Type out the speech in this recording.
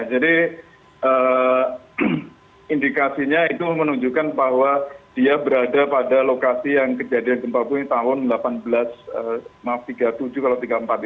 jadi indikasinya itu menunjukkan bahwa dia berada pada lokasi yang kejadian gempa bumi tahun seribu delapan ratus tiga puluh tujuh seribu delapan ratus tiga puluh empat itu